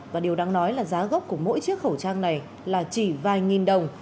và điều đáng nói là giá gốc của mỗi chiếc khẩu trang này là chỉ vài nghìn đồng